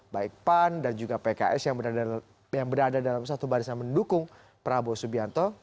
baik pan dan juga pks yang berada dalam satu barisan mendukung prabowo subianto